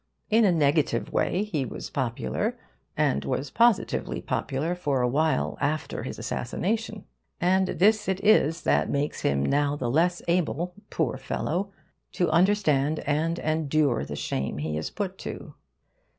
In a negative way, he was popular, and was positively popular, for a while, after his assassination. And this it is that makes him now the less able, poor fellow, to understand and endure the shame he is put to.